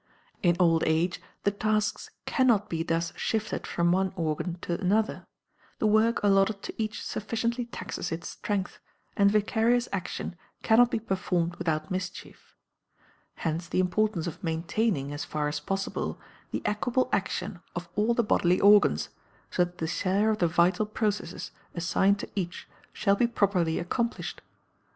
In old age, the tasks can not be thus shifted from one organ to another; the work allotted to each sufficiently taxes its strength, and vicarious action can not be performed without mischief. Hence the importance of maintaining, as far as possible, the equable action of all the bodily organs, so that the share of the vital processes assigned to each shall be properly accomplished.